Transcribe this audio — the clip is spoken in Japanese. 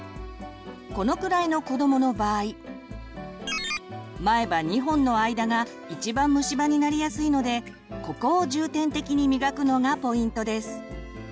このくらいの子どもの場合前歯２本の間がいちばん虫歯になりやすいのでここを重点的に磨くのがポイントです。